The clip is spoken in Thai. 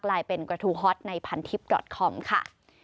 กลายเป็นกระทูฮอตในพันทิพย์ดอตคอมค่ะ